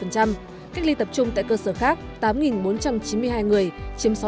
cách ly tập trung tại cơ sở khác tám bốn trăm chín mươi hai người chiếm sáu mươi chín